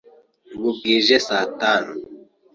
Ubu bwije saa tanu.